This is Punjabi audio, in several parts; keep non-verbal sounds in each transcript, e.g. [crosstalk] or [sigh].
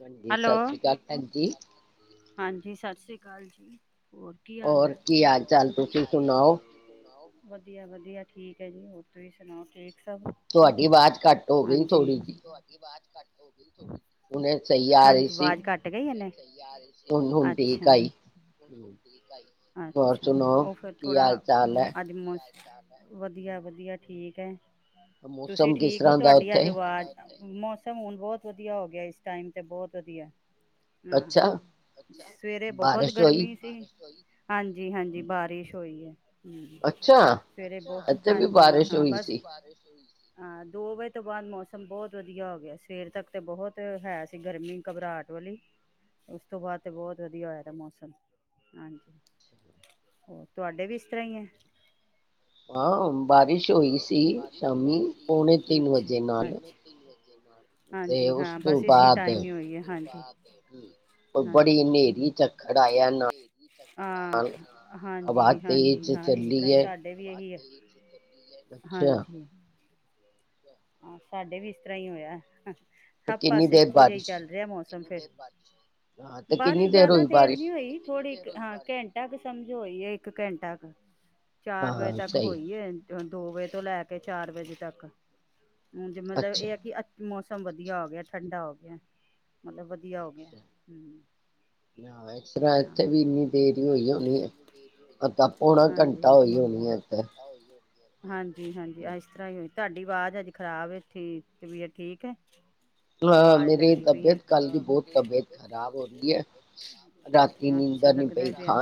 ਹਾਂਜੀ ਸਤਿ ਸ੍ਰੀ ਅਕਾਲ ਭੈਣ ਜੀ ਹਾਂਜੀ ਸਤਿ ਸ੍ਰੀ ਅਕਾਲ ਜੀ ਹੋਰ ਕੀ ਹਾਲ ਹੈ ਜੀ ਹੋਰ ਕੀ ਹਾਲ ਚ ਤੁਸੀ ਸੁਓ ਵਧੀਆ ਵਧੀਆ ਠੀਕ ਹੈ ਜੀ ਹੋਰ ਤੁਸੀਂ ਸੁਣਾਓ ਠੀਕ ਤੁਹਾਡੀ ਆਵਾਜ਼ ਘੱਟ ਹੋ ਗਈ ਥੋੜ੍ਹੀ ਜਿਹੀ ਹਾਂਜੀ ਆਵਾਜ਼ ਘੱਟ ਗਈ ਇਹਨੇ ਅੱਛਾ ਅੱਛਾ ਉਹ ਫਿਰ ਥੋੜਾ ਅੱਜ ਮੌਸਮ ਵਧੀਆ ਵਧੀਆ ਠੀਕ ਏ ਤੁਸੀਂ ਠੀਕ ਹੋ ਤੁਹਾਡੀ ਅੱਜ ਆਵਾਜ਼ ਮੌਸਮ ਹੁਨ ਬਹੁਤ ਵਧੀਆ ਹੋ ਗਿਆ ਇਸ ਟਾਈਮ ਤੇ ਬਹੁਤ ਵਧੀਆ ਹਾਂ ਸਵੇਰੇ ਬਹੁਤ ਗਰਮੀ ਸੀ ਹਾਂਜੀ ਹਾਂਜੀ ਬਾਰਿਸ਼ ਹੋਈ ਹੈ ਹਮ ਸਵੇਰੇ ਬਹੁਤ ਹਾਂਜੀ ਹਾਂ ਬਸ ਹਾਂ ਦੋ ਵਜੇ ਤੋਂ ਬਾਅਦ ਮੌਸਮ ਬਹੁਤ ਵਧੀਆ ਹੋ ਗਿਆ ਸੀ ਸਵੇਰ ਤੱਕ ਤਾਂ ਬਹੁਤ ਹੈ ਸੀ ਗਰਮੀ ਘਬਰਾਹਟ ਵਾਲੀ ਉਸ ਤੋਂ ਬਾਅਦ ਤਾਂ ਬਹੁਤ ਵਧੀਆ ਹੋਇਆ ਦਾ ਮੌਸਮ ਹਾਂਜੀ ਹੋ ਤੁਹਾਡੇ ਵੀ ਇਸ ਤਰ੍ਹਾਂ ਹੀ ਹੈ। ਹਾਂ ਹਮ ਅਛਾ ਅਛ ਹਾਂਜੀ ਹਾਂ ਬਸ ਇਸੇ ਟਾਈਮ ਹੀ ਹੋਈ ਆ ਹਾਂਜੀ ਹਾਂਜੀ ਹਾਂ ਹਾਂਜੀ ਹਾਂਜੀ ਹਾਂ ਇਸ ਤਰ੍ਹਾਂ ਹੀ ਸਾਡੇ ਵੀ ਇਹੀ ਐ। ਹਾਂਜੀ। ਹਾਂ ਸਾਡੇ ਵੀ ਇਸ ਤਰ੍ਹਾਂ ਹੀ ਹੋਇਆ। ਸਭ ਪਾਸੇ ਇੱਕੋ ਜਿਹਾ ਚੱਲ ਰਿਹਾ ਮੌਸਮ। [unintelligible] ਬਾਰਿਸ਼ ਜਿਆਦਾ ਦੇਰ ਨੀ ਹੋਈ ਥੋੜੀ ਹਾਂ ਘੰਟਾ ਕੁ ਸਮਝੋ ਹੋਈ ਹੈ ਇੱਕ ਘੰਟਾ ਕ। ਚਾਰ ਵਜੇ ਤੱਕ ਹੋਈ ਹੈ। ਦੋ ਵਜੇ ਤੋਂ ਲੈ ਕੇ ਚਾਰ ਵਜੇ ਤੱਕ। ਹੁਣ ਜੇ ਮਤਲਬ ਇਹ ਹੈ ਕਿ ਅ ਮੌਸਮ ਮੋਸਮ ਵਧੀਆ ਹੋ ਗਿਆ ਐ ਠੰਡਾ ਹੋ ਗਿਆ ਮਤਲਬ ਵਧੀਆ ਹੋ ਗਿਆ ਐ। ਨਾ ਇਸ ਤਰ੍ਹਾਂ ਇੱਥੇ ਵੀ ਇੰਨੀ ਦੇਰ ਈ ਹੋਈ ਹੋਣੀ ਹੈ ਅਧਾ ਪੌਣਾ ਘੰਟਾ ਹੋਈ ਹੋਣੀ ਹੈ ਏਦਰ। ਹਾਂਜੀ ਹਾਂਜੀ ਇਸ ਤਰ੍ਹਾਂ ਹੀ ਹੋਈ ਤੁਹਾਡੀ ਆਵਾਜ਼ ਅੱਜ ਖ਼ਰਾਬ ਏ ਠੀ ਤਬੀਅਤ ਠੀਕ ਹੈ। ਅਵਾਜ਼ ਲੱਗਦੀ ਪਈ ਹੈ ਅੱਛਾ ਲੱਗਦਾ ਪਿਆ।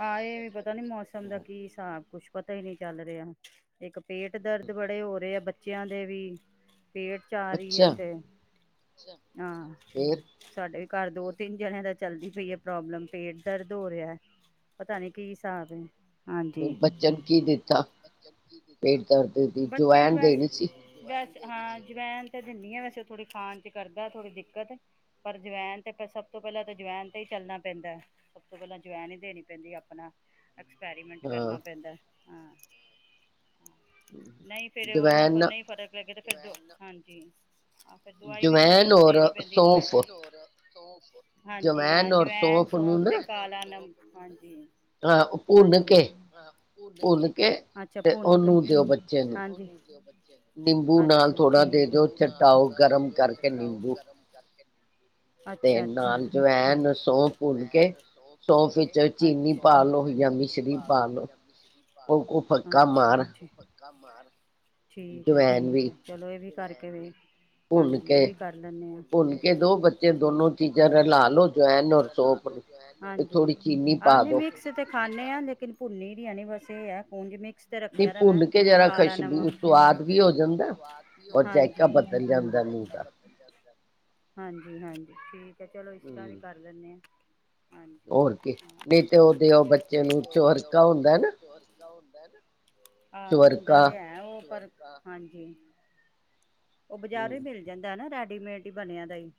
ਹਾ ਇਹ ਪਤਾ ਨੀ ਮੌਸਮ ਦਾ ਕੀ ਹਿਸਾਬ ਕੁੱਛ ਪਤਾ ਹੀ ਨਹੀਂ ਚੱਲ ਰਿਹਾ ਇੱਕ ਪੇਟ ਦਰਦ ਬੜੇ ਹੋ ਰਹੇ ਆ ਬੱਚਿਆਂ ਦੇ ਵੀ। ਪੇਟ ਚ ਆ ਰਹੀ ਹੈ ਤੇ। ਅੱਛਾ। ਹਾਂ ਸਾਡੇ ਘਰ ਦੋ ਤਿੰਨ ਜਣਿਆਂ ਦਾ ਚੱਲਦੀ ਪਈ ਹੈ ਪ੍ਰੋਬਲਮ। ਪੇਟ ਦਰਦ ਹੋ ਰਿਹਾ ਐ ਪਤਾ ਨੀ ਕੀ ਹਿਸਾਬ ਏ। ਫਿਰ ਬੱਚੇ ਨੂੰ ਕੀ ਦਿੱਤਾ। ਪੇਟ ਦਰਦ ਦੀ ਜਵੈਣ ਦੇਣੀ ਸੀ। ਹਾਂ ਜਵਾਇਨ ਤਾਂ ਦਿੰਨੀ ਆ ਵੈਸੇ ਥੋੜ੍ਹੀ ਖਾਣ ਚ ਕਰਦਾ ਥੋੜ੍ਹੀ ਦਿੱਕਤ ਪਰ ਜਵੈਨ ਤੇ ਪ ਸਭ ਤੋਂ ਪਹਿਲਾਂ ਤਾਂ ਜਵੈਨ ਤੇ ਹੀ ਚੱਲਣਾ ਪੈਂਦਾ। ਸਭ ਤੋਂ ਪਹਿਲਾਂ ਜਵੈਨ ਹੀ ਦੇਣੀ ਪੈਂਦੀ ਆਪਣਾ। ਐਕਸਪੈਰੀਮੈਂਟ ਕਰਨਾ ਪੈਂਦਾ। ਹਾਂ। ਨਹੀਂ ਫੇਰ ਓਨਾ ਕੋ ਨਹੀਂ ਫਰਕ ਲੱਗੇ ਤੇ ਜਦੋਂ ਹਾਂਜੀ। ਆਹ ਫਿਰ ਦਵਾਈ ਵੀ ਥੋੜੀ ਬਹੁਤ ਦੇਣੀ ਪੈਂਦੀ। ਸੌਂਫ। ਜਵੈਨ ਔਰ ਸੌਂਫ। ਸੌਂਫ ਤੇ ਕਾਲਾਂ ਨਮਕ ਹਾਂਜੀ ਹਾਜੀ ਅੱਛਾ ਭੂੰਨ ਹਾਂਜੀ ਅੱਛਾ ਠੀਕ ਤੇ ਨਾਲ ਜਵੈਨ ਸੋਫ ਅਛਾ ਅੱਛਾ ਜੀ [unintelligible] ਠੀਕ ਹੈ ਠੀਕ ਹੈ ਚਲੋ ਇਹ ਵੀ ਕਰਕੇ ਦੇ ਭੁੰਨ ਕੇ ਦੋ ਬੱਚੇ ਨੂੰ ਦੋਨੋ ਚੀਜ਼ਾਂ ਰ ਲੋ ਜੈਨ ਰ ਸੋਪ ਹਾਂਜੀ ਆਹ ਨਹੀਂ ਮਿਕਸ ਤੇ ਖਾਂਦੇ ਆ ਲੇਕਿਨ ਭੁੰਨੀ ਦੀ ਨਹੀਂ ਬਸ ਇਹ ਹੈ ਹੁਣ ਜਿਵੇਂ ਰੱਖਿਆ ਮੈਂ ਕਾਲਾ ਨਮਕ ਹਾਂਜੀ ਹਾਂਜੀ ਹਾਂਜੀ ਹਾਂਜੀ ਠੀਕ ਆ ਚਲੋ ਇਸ ਤਰਾ ਵੀ ਕਰ ਲੈਦੇ ਆ ਹਾਂਜੀ ਹਾਂਜੀ ਹੁੰਦਾ ਤੇ ਹੈ ਉਹ ਪਰ ਹਾਂਜੀ ਉਹ ਬਾਜ਼ਾਰੋਂ ਹੀ ਮਿਲ ਜਾਂਦਾ ਨਾ ਡੀ ਮੇਟ ਹੀ ਬਣਿਆ ਦਾ ਈ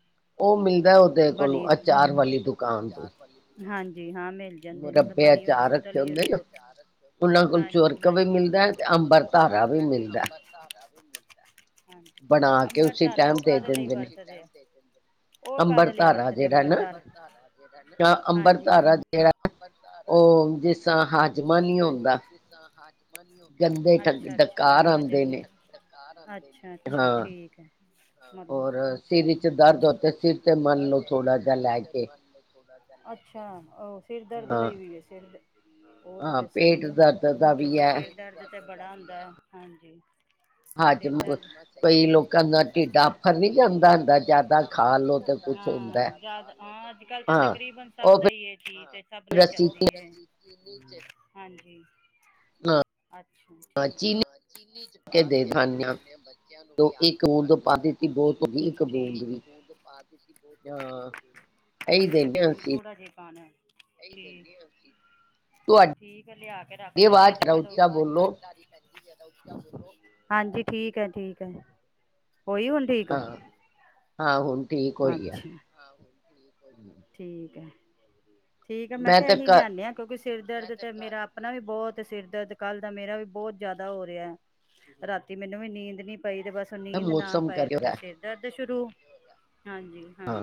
ਉਹ ਮਿਲਦਾ ਉਹਦੇ ਕੋਲੋਂ ਅਚਾਰ ਵਾਲੀ ਦੁਕਾਨ ਆਚਾਰ ਵਾਲੀ ਹਾਂਜੀ ਹਾਂ ਮਿਲ ਜਾਂਦੇ ਮਤਲਬ ਬਣੀ ਹੋਈ ਬੋਤਲ [unintelligible] ਹਾਂਜੀ ਹਾਂਜੀ ਹਾਂ ਅੰਬਰ ਧਾਰਾ ਉਹ ਕਾਹਦੇ ਲਈ ਵਰਤਦੇ ਉਹ ਕਾਹਦੇ ਲਈ ਵਰਤਦੇ ਅੰਬਰ ਧਾਰਾ ਹਾਂਜੀ ਅੱਛਾ ਅੱਛਾ ਅੱਛਾ ਅੱਛਾ ਠੀਕ ਹੈ ਮਤਲਬ ਚਲੋ ਅੱਛਾ ਉਹ ਸਿਰ ਦਰਦ ਲਈ ਵੀ ਹੈ ਸਿਰ ਉਹ ਤਾਂ ਫਿਰ ਸਹੀ ਹੈ ਕਿਉਂਕਿ ਸਿਰ ਦਰਦ ਤੇ ਬੜਾ ਹੁੰਦਾ ਹਾਂਜੀ ਸਹੀ ਕਰੇਗਾ ਜੇ ਕੋਈ ਲੋਕਾਂ ਨੀ ਕਰਦਾ ਅੱਜ ਕੱਲ ਤਕਰੀਬਨ ਸਭ ਦਾ ਹੀ ਇਹ ਚੀਜ਼ ਸਭ ਨਾਲ ਹੀ ਚੱਲਦੀ ਹਾਂਜੀ ਹਾਂ ਚੀਨੀ ਚ ਪਾ ਕੇ ਦੇ ਦਿੰਦੇ ਆ ਬੱਚਿਆਂ ਨੂੰ ਵੀ ਆਪ ਹੀ ਖਾਂਦੇ ਆ [unintelligible] [unintelligible] ਪਾਉਣਾ ਏ ਚਲੋ ਠੀਕ ਆ ਲਿਆ ਕੇ ਰੱਖ ਲੈਣੇੇ ਆ ਤੇ ਚਲੋ ਹਾਂਜੀ ਠੀਕ ਹੈ ਠੀਕ ਹੈ ਉਹੀ ਹੁਣ ਠੀਕ ਅੱਛਾ ਠੀਕ ਹੈ [unintelligible] ਠੀਕ ਹੈ ਮੈਂ ਕਿਹਾ ਇਹੀ ਲਿਆਂਦੇ ਹਾਂ ਕਿਉਂਕਿ ਸਿਰ ਦਰਦ ਤੇ ਮੇਰਾ ਆਪਣਾ ਵੀ ਬਹੁਤ ਸਿਰ ਦਰਦ ਕੱਲ ਦਾ ਮੇਰਾ ਵੀ ਬਹੁਤ ਜਿਆਦਾ ਹੋ ਰਿਹਾ ਰਾਤੀ ਮੈਨੂੰ ਵੀ ਨੀਂਦ ਨੀ ਪਈ ਤੇ ਬਸ ਉਹ ਨੀਂਦ ਨਾ ਪਾਏ ਤੇ ਫਿਰ ਸਿਰ ਦਰਦ ਸ਼ੁਰੂ ਹਾਂਜੀ ਹਾਂ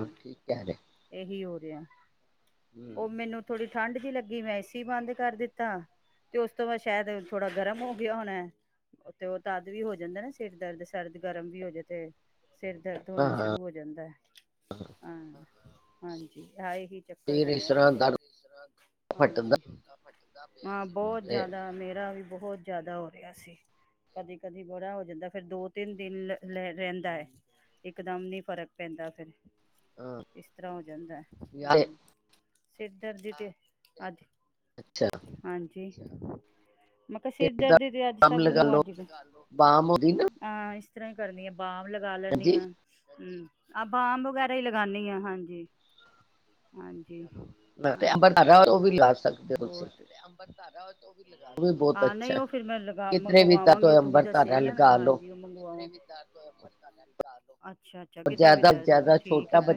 ਇਹੀ ਹੋਰ [unintelligible] ਉਹ ਮੈਨੂੰ ਥੋੜੀ ਠੰਡ ਜਿਹੀ ਲੱਗੀ ਮੈਂ ਏਸੀ ਬੰਦ ਕਰ ਦਿੱਤਾ ਤੇ ਉਸ ਤੋਂ ਬਾਅਦ ਸ਼ਾਇਦ ਥੋੜਾ ਗਰਮ ਹੋ ਗਿਆ ਹੋਣਾ ਤੇ ਉਹ ਦਦ ਵੀ ਹੋ ਜਾਂਦਾ ਨਾ ਸਿਰ ਦਰਦ ਸਰਦ ਗਰਮ ਵੀ ਹੋ ਜਾ ਤੇ ਸਿਰ ਦਰਦ ਹੋਣਾ ਸ਼ੁਰੂ ਹੋ ਜਾਂਦਾ ਹਾਂ ਹਾਂਜੀ ਏ ਹੀ ਚੱਕਰ ਬਣਿਆ ਹਜੀ ਹਾਂ ਬਹੁਤ ਜਿਆਦਾ ਮੇਰਾ ਵੀ ਬਹੁਤ ਜ਼ਿਆਦਾ ਹੋ ਰਿਹਾ ਸੀ ਕਦੇ ਕਦੇ ਬੜਾ ਹੋ ਜਾਂਦਾ ਫਿਰ ਦੋ ਤਿੰਨ ਦਿਨ ਲ ਲੈ ਰਹਿੰਦਾ ਹੈ ਇਕਦਮ ਨਹੀਂ ਫਰਕ ਪੈਂਦਾ ਫਿਰ ਇਸ ਤਰ੍ਹਾਂ ਹੋ ਜਾਂਦਾ ਹੂੰ ਸਿਰ ਦਰਦੀ ਤੇ ਅੱਜ ਅੱਛਾ [unintelligible] ਮ ਕਿਹਾ ਸਿਰ ਦਰਦ ਦੀ ਅਜ ਸਭੂ ਨਦੀ ਆਹ ਇਸ ਤਰ੍ਹਾਂ ਹੀ ਕਰਨੀਆਂ ਬਾਮ ਲਗਾ ਲੈਣੀ ਆ ਹਮ ਆਪ ਆਮ ਵਗੈਰਾ ਹੀ ਲਗਾਦੀ ਹ ਹਾਂਜੀ ਹਾਂਜੀ [unintelligible] ਸਕਦੇ ਹੋ ਤੁਸੀਂ ਸਾਰਾ ਹਾਂ ਨਹੀਂ ਉਹ ਫਿਰ ਮੈਂ ਮੰਗਵਾਵਾਂਗੀ ਉਹ ਤੁਸੀ ਦੱਸਿਆ ਨਾ ਹਾਂਜੀ ਉਹ ਮੰਗਵਾਾਂ ਅੱਛਾ ਅੱਛਾ ਕਿਤੇ ਵੀ ਦਰਦ ਹੋਏ ਠੀਕ ਆ ਫ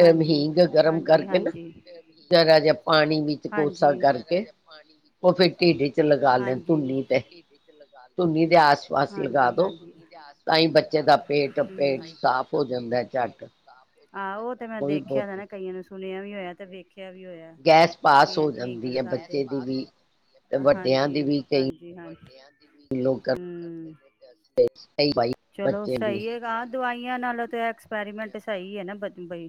ਹਾਂਜੀ ਹਾਂਜੀ ਹਾਂਜੀਗ ਗਰਮ ਕਰਕੇ ਹਾਂਜੀ ਪਾਣੀਕੇ ਹਾਂਜੀਟੀ ਲਗਾ ਲੜ ਹਾਂਜੀ ਆਸ ਪਾਸ ਵੀ ਲਗਾ ਦੋ ਤਾਹੀ ਬੱਚੇ ਦਾ ਪੇਟ ਸਾ ਆਹ ਉਹ ਤੇ ਮੈਂ ਦੇਖ ਰਖਿਆ ਨਾ ਕਈਆਂ ਨੂੰ ਸੁਣਿਆ ਵੀ ਹੋਇਆ ਤੇ ਵੇਖ ਖਿਆ ਵੀ ਹੋਇਆ ਬ ਅਜ ਹਿੰਗ ਲਗਾਦੇ ਹਾਂਜੀ ਹਾਂਜੀ ਹਾਂ ਹਮ ਚਲੋ ਸਹੀ ਹੈਗਾ ਦਵਾਈ ਕੀਆ ਨਾਲੋਂ ਤਾਂ ਐਕਸਪੈਰੀਮੈਂਟ ਸਹੀ ਹੈ ਨਾ ਬ ਬਈ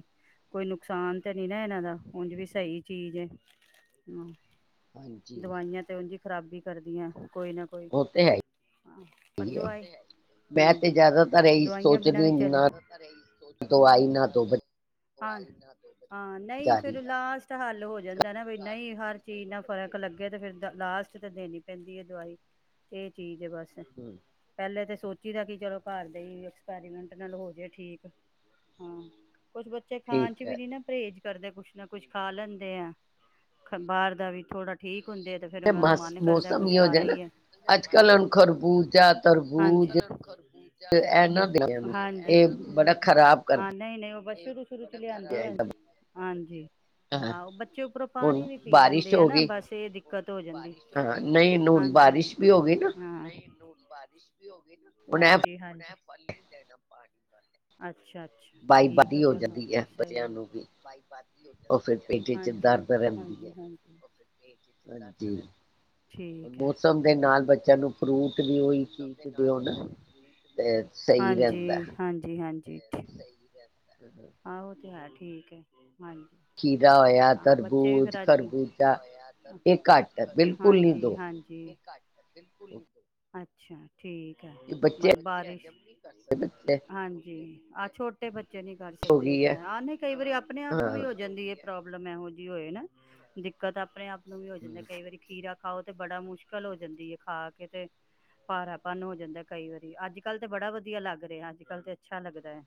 ਕੋਈ ਨੁਕਸਾਨ ਤਾਂ ਨੀ ਨਾ ਇਹਨਾਂ ਦਾ ਉਝ ਵੀ ਸਹੀ ਚੀਜ਼ ਹੈ ਹਮ ਦਵਾਈਆਂ ਤੇ ਉਜਈ ਖ਼ਰਾਬੀ ਕਰਦੀਆਂ ਕੋਈ ਨਾ ਕੋਈ ਪਰ ਦਵਾਈ ਹਾਂਜੀ ਦਵਾਈਆਂ ਬਿਨਾਂ ਵੀ ਚੱਲ ਹਾਂ ਹਾਂ ਨਹੀਂ ਫੇਿਰ ਲਾਸਟ ਹੱਲ ਹੋ ਜਾਂਦਾ ਨਾ ਵੀ ਨਹੀਂ ਹਰ ਚੀਜ਼ ਨਾਲ ਫਰਕ ਲੱਗੇ ਤੇ ਫਿਰ ਦ ਲਾਸਟ ਤੇ ਦੇਣੀ ਪੈਂਦੀ ਹੈ ਦਵਾਈ ਇਹ ਚੀਜ਼ ਜੇ ਬਸ ਪਹਿਲੇ ਤਾਂ ਸੋਚੀ ਦਾ ਕਿ ਚਲੋ ਘਰ ਦੇ ਹੀ ਐਕਸਪੈਰੀਮੈਂਟ ਨਾਲ ਹੋ ਜਾਏ ਠੀਕ ਹਾਂ ਕੁਛ ਤੇ ਖਾਣ ਚ ਵੀ ਨੀ ਨਾ ਪਰਹੇਜ਼ ਕਰਦੇ ਕੁੱਛ ਨਾ ਕੁੱਛ ਖਾ ਲੈਂਦੇ ਆ ਬਾਹਰ ਦਾ ਵੀ ਥੋੜਾ ਠੀਕ ਖੁੰਦੇ ਤੇ ਫਿਰ ਉਹਨਾਂ ਦਾ ਮਨ ਕਰਦਾ ਕੁਛ ਖਾ ਲਈਏ ਹਜੀ ਹਾਂਜੀ ਹਾਂ ਨਹੀਂ ਨਹੀਂ ਵਰਸ਼ਾ ਸ਼ੁਰੂ ਲਿਆਦੇ ਆ ਅਜ ਹਾਂਜੀ ਆਹੋ ਬੱਚੇ ਉਪਰੋਂ ਪਾਣੀ ਵੀ ਪੀ ਲੈਂਦੇ ਆ ਨਾ ਬਸ ਇਹ ਦਿੱਕਤ ਹੋ ਜਾਂਦੀ ਹਾਂਜੀ ਹਾਂ ਸ਼ ਹਾਂਜੀ ਹ ਅੱਛਾ ਬਾਈ ਵਧੀ ਹੋ ਜਾਂਦੀ ਅ ਹਾਂਜੀ ਹਜੀ ਹਜੀ ਠੀਕ ਹੈ ਹਾਂਜੀ ਹਾਂਜੀ ਹਜੀ ਜੀ ਠੀਕ ਤੇੱ ਆਹੋ ਤੇ ਹੈ ਠੀਕ ਹੈ ਹਜੀ ਹਾਂ ਬੱਚੇ ਵੀ ਫਿਰ ਅੱਜ ਹਾਂਜੀ ਹਾਜੀ ਅੱਛਾ ਠੀਕ ਹੈ ਬ ਬਾਰਿਸ਼ ਹਾਂਜੀ ਆਹ ਛੋਟੇ ਬੱਚੇ ਨੀ ਸਕਦੇ ਤੇ ਹੈ ਆ ਨੀ ਕਈ ਵਾਰੀ ਆਪਣੇ ਆਪ ਨੂੰ ਵੀ ਹੋ ਜਾਂਦੀ ਹੈ ਪ੍ਰੋਬਲਮ ਇਹੋ ਜਿਹੀ ਹੋਏ ਨਾ ਦਿੱਕਤ ਆਪਣੇ ਆਪ ਵੀ ਹੋ ਜਾਂਦਾ ਕਈ ਵਾਰੀ ਖੀਰਾ ਖਾਓ ਤੇ ਬੜਾ ਮੁਸ਼ਕਿਲ ਹੋ ਜਾਂਦੀ ਹੈ ਖਾ ਕੇ ਤੇ ਭਾਰਾਪੰਨ ਹੋ ਜਾਂਦਾ ਕਈ ਵਾਰੀ ਅੱਜ ਕਲ ਤੇ ਬੜਾ ਵਧੀਆ ਲੱਗ ਰਿਹਾ ਅੱਜ ਕੱਲ ਤੇ ਅੱਛਾ ਲੱਗਦਾ ਹੈ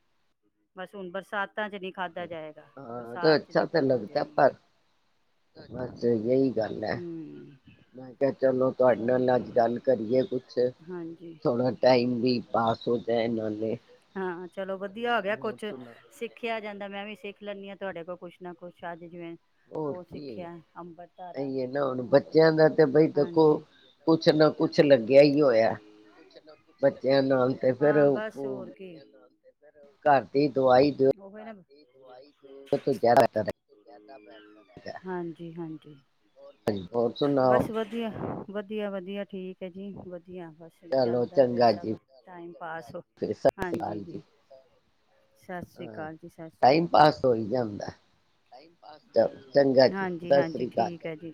ਬਸ ਹੁਣ ਬਰਸਾਤ ਚ ਨੀ ਖਾਧਾ ਜਾਏਗਾ ਬਰਸਾਤ ਚ ਦਿੱਕਤ ਹੋ ਜਾਣੀ ਆ ਹੂੰ ਚਲੋ ਹਾਂਜੀ ਹਾਂ ਚਲੋ ਵਧੀਆ ਹੋ ਗਿਆ। ਸਿੱਖਿਆ ਕਿਹਾ ਜਾਂਦਾ ਮੈਂ ਵੀ ਸਿੱਖ ਲੈਂਦੀ ਹਾਂ ਤੁਹਾਡੇ ਕੋਲ ਕੁਛ ਨਾ ਕੁਛ ਅੱਜ ਜਿਵੇਂ ਉਹ ਸਿੱਖਿਆ ਅੰਬਤਧਾਰਾ ਹਜੀ ਹਾਂਜੀ ਹੋ ਹਾਂ ਬਸ ਹੋਰ ਕੀ ਤੇ ਦੁਆਈ ਦਿਓ ਦੀ ਦਵਾਈ ਹਾਂਜੀ ਹਾਂਜੀ ਬਸ ਵਧੀਆ ਵਧੀਆ ਵਧੀਆ ਠੀਕ। ਜੀ ਵਧੀ ਵਧੀਆ ਬਸ ਚੱਲਦਾ ਪਿਆ ਸਭ ਟਾਈਮ ਪਾਸ ਹੋ ਹਾਂਜੀ ਜੀ ਹਾਂ ਟਾਈਮ ਪਾਸ ਹੋ ਹੀ ਜਾਂਦਾ। ਹਾਂਜੀ ਹਾਂਜੀ ਠੀਕ ਹੈ ਜੀ